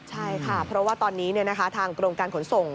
ใช่ค่ะเพราะว่าตอนนี้ทางกรมการขนส่ง